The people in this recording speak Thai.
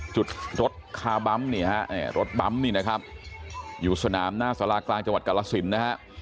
จุดรถคาบัมนี่ฮะรถบั๊มนี่นะครับอยู่สนามหน้าสารากลางจังหวัดกรสินนะฮะ